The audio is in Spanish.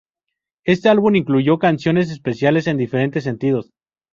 Este álbum incluyó canciones especiales en diferentes sentidos.